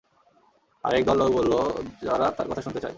আরেক দল লোক বসল, যারা তার কথা শুনতে চায়।